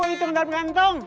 itu yang ada di kantong